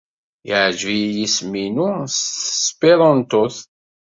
Yeɛjeb-iyi yisem-inu s tesperantot.